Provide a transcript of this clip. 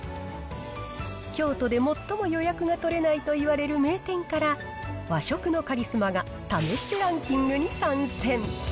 京都で最も予約が取れないといわれる名店から、和食のカリスマが試してランキングに参戦。